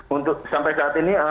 untuk sampai saat ini